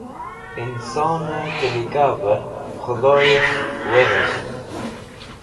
Insone Tilikaver Khudoyes̃h Weghes̃ht